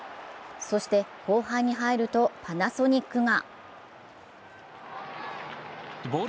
そして後半に入るとパナソニックが。